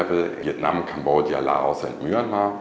việt nam cambodia laos và myanmar